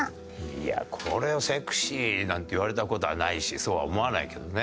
いやこれをセクシーなんて言われた事はないしそうは思わないけどね。